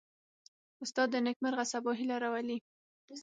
استاد د نیکمرغه سبا هیله راولي.